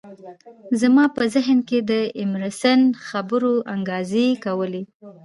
زما په ذهن کې د ایمرسن خبرو انګازې کولې